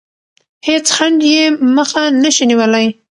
هیڅ خنډ یې مخه نه شي نیولی.